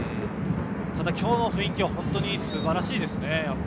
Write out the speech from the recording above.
ただ、今日の雰囲気は本当にすばらしいですね。